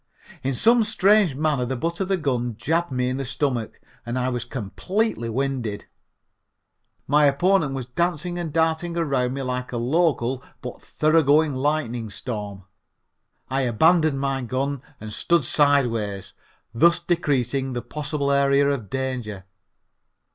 In some strange manner the butt of the gun jabbed me in the stomach and I was completely winded. My opponent was dancing and darting around me like a local but thorough going lightning storm. I abandoned my gun and stood sideways, thus decreasing the possible area of danger.